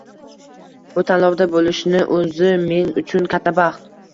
Bu tanlovda bo‘lishni o‘zi men uchun katta baxt.